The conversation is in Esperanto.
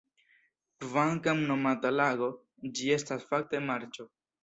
Kvankam nomata lago, ĝi estas fakte marĉo.